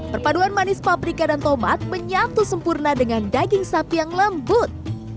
perpaduan manis paprika dan tomat menyatu sempurna dengan daging sapi yang lembut